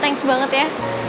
thanks banget ya